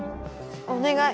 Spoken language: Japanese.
お願い！